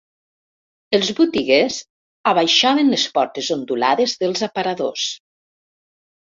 Els botiguers abaixaven les portes ondulades dels aparadors.